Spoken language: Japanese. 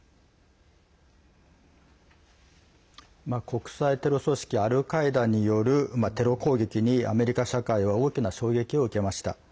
国際テロ組織アルカイダによるテロ攻撃にアメリカ社会は大きな衝撃を受けました。